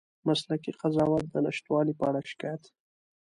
مسلکي قضاوت د نشتوالي په اړه شکایت